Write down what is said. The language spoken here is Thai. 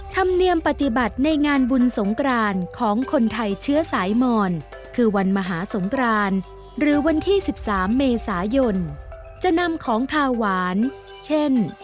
ธรรมเนียมปฏิบัติในงานบุญสงกรานของคนไทยเชื้อสายมอนคือวันมหาสงครานหรือวันที่๑๓เมษายนจะนำของขาวหวานเช่น